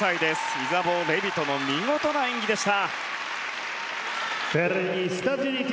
イザボー・レビトの見事な演技でした。